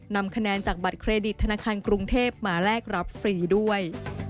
นำคะแนนจากบัตรเครดิตธนาคารกรุงเทพมาแลกรับฟรีด้วย